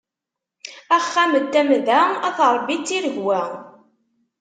Axxam d tamda, at Ṛebbi d tiregwa.